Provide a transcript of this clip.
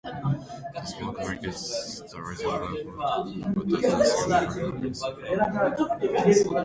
The smoke makes the ring visible, but does not significantly affect the flow.